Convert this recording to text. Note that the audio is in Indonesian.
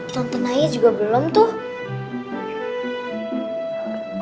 tonton aja juga belum tuh